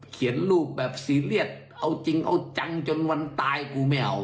เขียนรูปแบบซีเรียสเอาจริงเอาจังจนวันตายกูไม่เอา